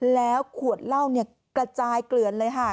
แล้วขวดเหล้าเนี่ยกระจายเกลือนเลยค่ะ